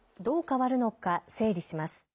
どう変わるのか、整理します。